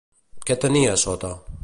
Què tenia a sota?